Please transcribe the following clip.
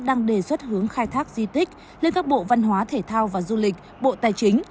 đang đề xuất hướng khai thác di tích lên các bộ văn hóa thể thao và du lịch bộ tài chính